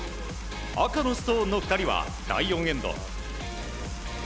赤のストーンの２人は第４エンド。